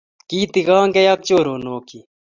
Kiitigon kei ak choronokyi